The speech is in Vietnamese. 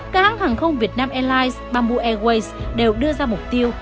các hãng hàng không việt nam airlines bamboo airways đều đưa ra mục tiêu